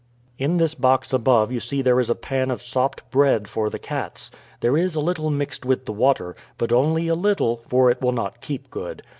"In this box above you see there is a pan of sopped bread for the cats. There is a little mixed with the water; but only a little, for it will not keep good.